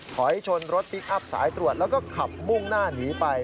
ถอยชนรถพลิกอัพสายตรวจแล้วก็ขับมุ่งหน้าหนีไป